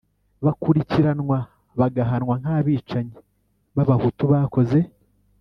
bakurikiranwa bagahanwa nk'abicanyi b'abahutu bakoze